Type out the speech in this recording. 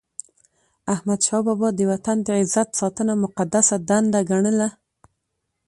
احمدشاه بابا د وطن د عزت ساتنه مقدسه دنده ګڼله.